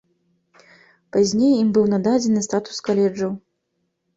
Пазней ім быў нададзены статус каледжаў.